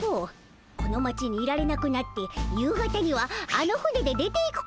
この町にいられなくなって夕方にはあの船で出ていくことになるでおじゃる。